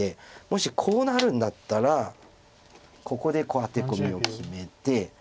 もしこうなるんだったらここでアテコミを決めて。